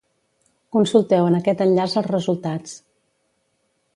Consulteu en aquest enllaç els resultats.